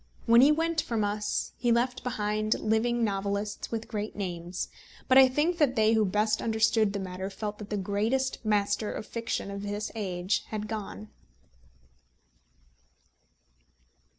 When he went from us he left behind living novelists with great names; but I think that they who best understood the matter felt that the greatest master of fiction of this age had gone.